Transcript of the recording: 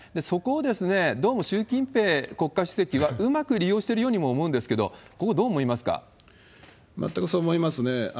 そこを、どうも習近平国家主席はうまく利用してるようにも思うんですけれども、ここ、全くそう思いますね。